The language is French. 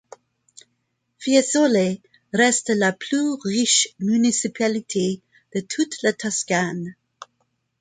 Fiesole reste la plus riche municipalité de toute la Toscane.